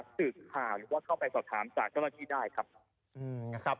สื่อข่าวหรือว่าเข้าไปกดค้าคารก็ได้ครับ